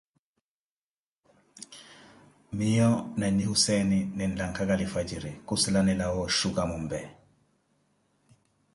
Miyo na nyi Husseene, ninlakaga lifwajiri, ku sala ni lawa oshuka mombe.